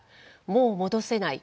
もう戻せない。